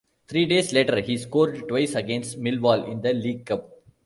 Three days later he scored twice against Millwall in the League Cup.